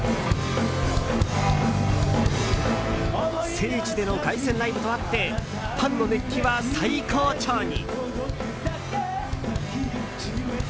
聖地での凱旋ライブとあってファンの熱気は最高潮に！